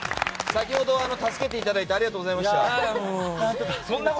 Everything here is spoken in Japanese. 先ほどは助けていただいてありがとうございました。